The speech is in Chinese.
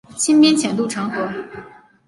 清兵潜渡城河。